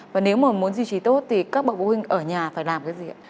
và nếu mà muốn duy trì tốt thì các bậc phụ huynh ở nhà phải làm cái gì ạ